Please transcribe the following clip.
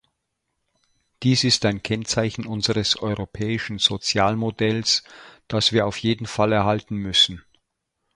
Dies ist ein Kennzeichen unseres europäischen Sozialmodells, das wir auf jeden Fall erhalten müssen.